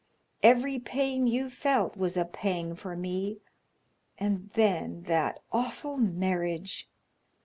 Every pain you felt was a pang for me and then that awful marriage!